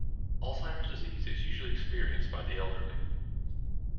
Alzheimer’s disease is usually experienced by the elderly.